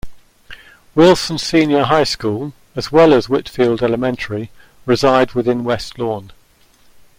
Wilson Senior High School, as well as Whitfield Elementary reside within West Lawn.